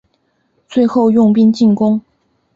最后用兵进攻。